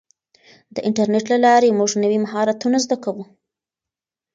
د انټرنیټ له لارې موږ نوي مهارتونه زده کوو.